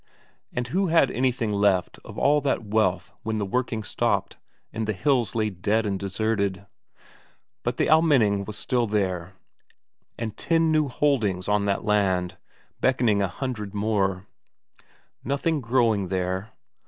And who had anything left of all that wealth when the working stopped, and the hills lay dead and deserted? But the Almenning was there still, and ten new holdings on that land, beckoning a hundred more. Nothing growing there?